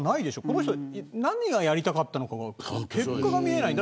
この人、何がやりたかったのか結果が見えない。